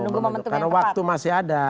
menunggu momentum yang tepat karena waktu masih ada